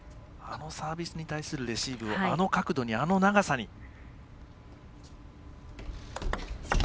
あのサービスに対するレシーブをあの角度に、あの長さに。